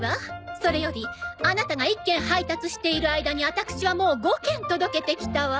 それよりアナタが１件配達している間にあたくしはもう５件届けてきたわ！